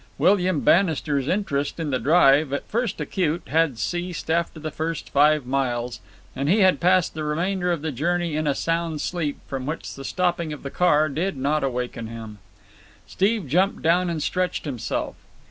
William Bannister's interest in the drive, at first acute, had ceased after the first five miles, and he had passed the remainder of the journey in a sound sleep from which the stopping of the car did not awaken him. Steve jumped down and stretched himself.